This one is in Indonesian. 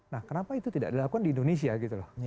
nah kenapa itu tidak dilakukan di indonesia gitu loh